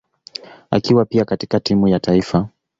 akiwa pia katika timu ya taifa.